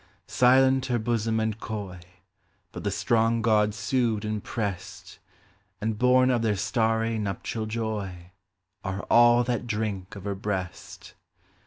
Silent her bosom and coy, But the strong god sued and pressed ; And born of their starry nuptial joy Are all that drink of her breast.